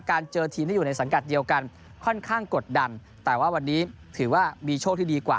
เจอทีมที่อยู่ในสังกัดเดียวกันค่อนข้างกดดันแต่ว่าวันนี้ถือว่ามีโชคที่ดีกว่า